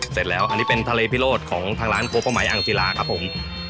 เสร็จแล้วอันนี้เป็นทะเลพิโรธของทางร้านโกเป้าหมายอ่างศิลาครับผม